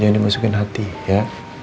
jangan dimasukin hati ya